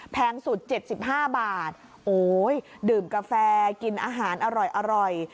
แพงสุด๗๕บาทโอ้ยดื่มกาแฟกินอาหารอร่อย